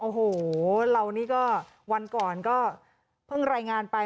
โอ้โหเรานี่ก็วันก่อนก็เพิ่งรายงานไป